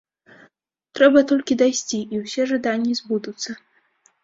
Трэба толькі дайсці, і ўсе жаданні збудуцца.